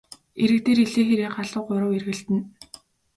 Эрэг дээр элээ хэрээ галуу гурав эргэлдэнэ.